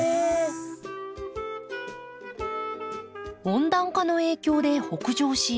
温暖化の影響で北上し